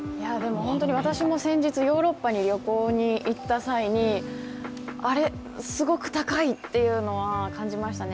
本当に私も先日ヨーロッパに旅行に行った際にあれ、すごく高いっていうのは感じましたね。